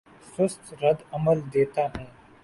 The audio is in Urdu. سست رد عمل دیتا ہوں